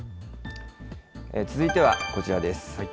続いてはこちらです。